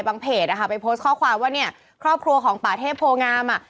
เพจไปโพสต์ข้อความว่าเนี่ยครอบครัวของป่าเทพโพงามอ่ะ